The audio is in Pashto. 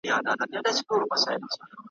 چې سجده د غرڅنیو په درشل ږدي